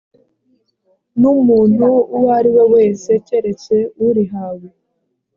n umuntu uwo ari we wese keretse urihawe